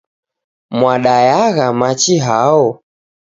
Mwadayagha machi hao?